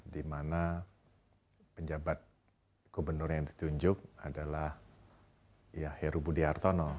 di mana penjabat gubernur yang ditunjuk adalah ya heru budi hartono